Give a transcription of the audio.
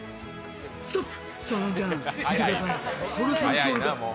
ストップ。